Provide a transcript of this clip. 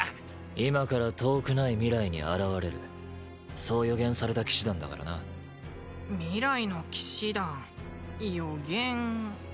今から遠くない未来に現れるそう予言された騎士団だからな未来の騎士団予言